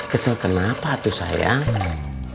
kesal kenapa tuh sayang